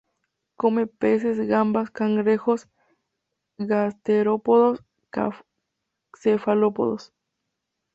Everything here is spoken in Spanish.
Come peces, gambas, cangrejos, gasterópodos cefalópodos.